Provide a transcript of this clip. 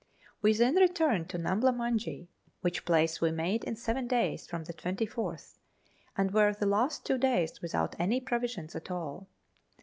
We then returned to Numbla Muujee, which place we made in seven days from the 24th, and were the last two days without any provisions at all.